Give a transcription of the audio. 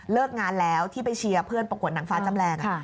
งานแล้วที่ไปเชียร์เพื่อนประกวดนางฟ้าจำแรง